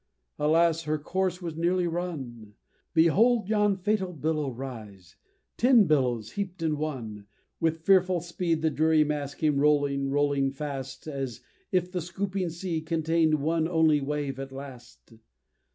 alas! her course was nearly run! Behold yon fatal billow rise ten billows heap'd in one! With fearful speed the dreary mass came rolling, rolling, fast, As if the scooping sea contain'd one only wave at last!